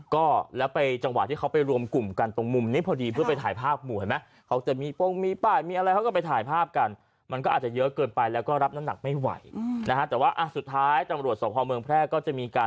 ขอให้ทุกคนปลอดภัยไม่มีใครเจ็บหนักนะคะ